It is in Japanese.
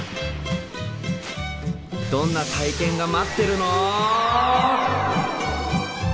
どんな体験が待ってるの？